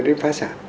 để phát sản